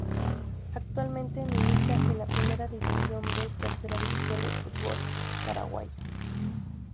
Actualmente milita en la Primera División B tercera división del fútbol paraguayo.